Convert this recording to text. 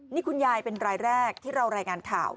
นี่คุณยายเป็นรายแรกที่เรารายงานข่าว